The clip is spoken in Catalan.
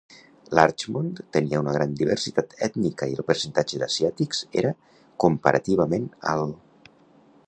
Larchmont tenia una gran diversitat ètnica i el percentatge d'asiàtics era comparativament alt.